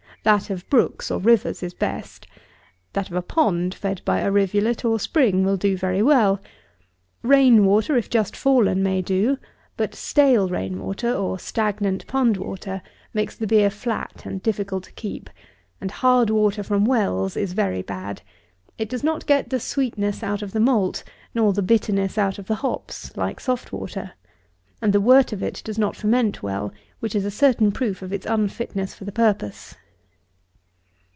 That of brooks, or rivers, is best. That of a pond, fed by a rivulet, or spring, will do very well. Rain water, if just fallen, may do; but stale rain water, or stagnant pond water, makes the beer flat and difficult to keep; and hard water, from wells, is very bad; it does not get the sweetness out of the malt, nor the bitterness out of the hops, like soft water; and the wort of it does not ferment well, which is a certain proof of its unfitness for the purpose.